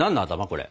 これ。